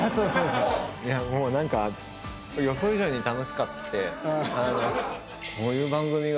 いやもう何か予想以上に楽しくって。